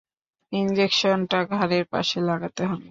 ইঞ্জেকশনটা ঘাড়ের পাশে লাগাতে হবে।